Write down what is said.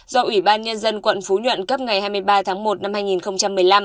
do ủy ban nhân dân quận phú nhuận cấp ngày hai mươi ba tháng một năm hai nghìn một mươi năm